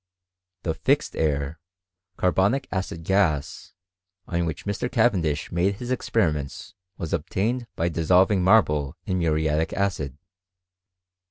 The Jixed air (carbonic acid gas) on whicii Mr, Ca vendish made his experiments was obtained by dis solving marble in muriatic acid.